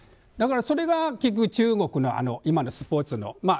だからそれが結局、中国の今のスポーツの。